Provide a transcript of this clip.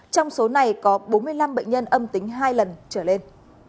trong số này có bốn mươi năm bệnh nhân âm tính hai lần trở lên